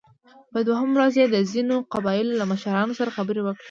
په دوهمه ورځ يې د ځينو قبيلو له مشرانو سره خبرې وکړې